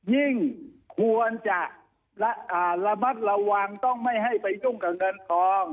ยิ่งควรจะระมัดระวังต้องไม่ให้ไปยุ่งกับเงินทอง